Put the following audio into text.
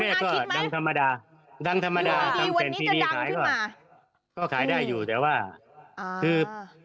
เร็กดั่งธรรมดาทำการพูดพายีที่ดีขายก่อนขายได้อยู่แต่ว่าคือ